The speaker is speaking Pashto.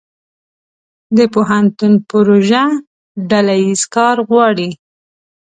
د پوهنتون پروژه ډله ییز کار غواړي.